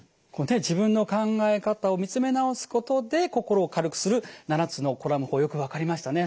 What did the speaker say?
自分の考え方を見つめ直すことで心を軽くする７つのコラム法よく分かりましたね。